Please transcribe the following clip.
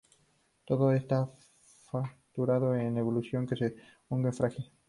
Todo está fracturado y en evolución, que se hunde tan frágil".